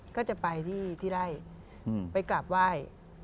ก็จะไปที่ไร่ไปกราบไหว้